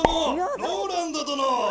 ＲＯＬＡＮＤ殿！